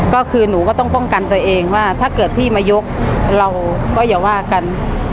ก็คือหนูก็ต้องป้องกันตัวเองว่าถ้าเกิดพี่มายกเราก็อย่าว่ากัน